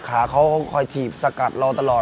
ขาเขาก็คอยถีบสกัดเราตลอด